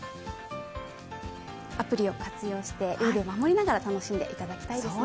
アプリを活用して、ルールを守りながら楽しんでいただきたいですね。